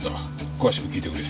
詳しく聞いてくれ。